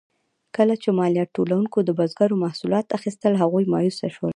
کله چې مالیات ټولونکو د بزګرو محصولات اخیستل، هغوی مایوسه شول.